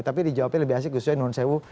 tapi dijawabnya lebih asik guscoi nuhun sewu